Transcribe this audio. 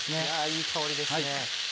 いい香りですね。